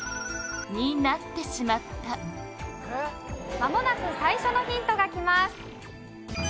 まもなく最初のヒントがきます。